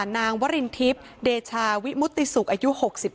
นางวรินทิพย์เดชาวิมุติศุกร์อายุ๖๒